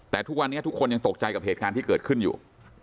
แต่ทุกวันนี้ทุกคนยังตกใจกับเหตุการณ์ที่เกิดขึ้นอยู่